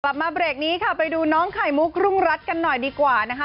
กลับมาเบรกนี้ค่ะไปดูน้องไข่มุกรุงรัฐกันหน่อยดีกว่านะคะ